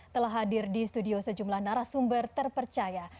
telah hadir di studio sejumlah narasumber terpercaya